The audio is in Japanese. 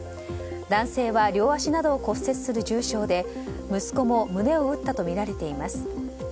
男性は両足などを骨折する重傷で息子も胸を打ったとみられています。